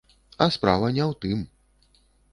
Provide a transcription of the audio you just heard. А справа не ў тым.